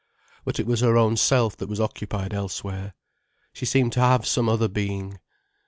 But it was her own self that was occupied elsewhere. She seemed to have some other being.